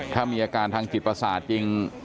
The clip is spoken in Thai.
ถ้ามีอาการทางจิตประสาทจริง